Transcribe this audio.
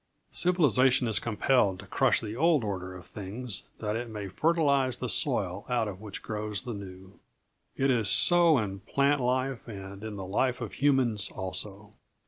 Civilization is compelled to crush the old order of things that it may fertilize the soil out of which grows the new. It is so in plant life, and in the life of humans, also.